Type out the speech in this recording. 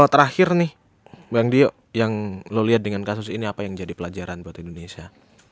terakhir nih bang dio yang lo lihat dengan kasus ini apa yang jadi pelajaran buat indonesia